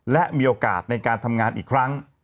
และมีโอกาสในการทำงานอีกครั้ง